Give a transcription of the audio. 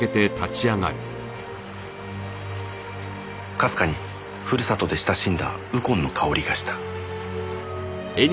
かすかにふるさとで親しんだウコンの香りがした。